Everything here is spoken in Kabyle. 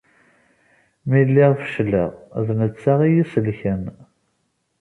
Mi lliɣ fecleɣ, d netta i iyi-isellken.